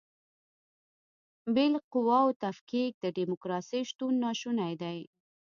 بې له قواوو تفکیک د دیموکراسۍ شتون ناشونی دی.